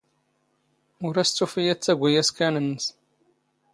ⵓⵔ ⴰⵙ ⵜⵓⴼⵉ ⴰⴷ ⵜⴰⴳⵯⵉ ⴰⵙⴽⴰⵏ ⵏⵏⵙ.